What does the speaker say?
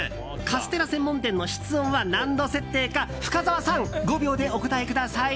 カステラ専門店の室温は何度設定か深澤さん、５秒でお答えください。